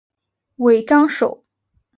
尾张守。